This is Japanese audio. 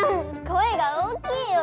声が大きいよ！